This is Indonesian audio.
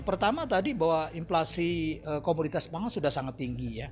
pertama tadi bahwa inflasi komoditas pangan sudah sangat tinggi